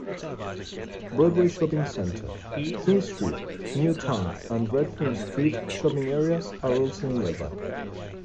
Broadway Shopping Centre; King Street, Newtown and Redfern Street shopping areas are also nearby.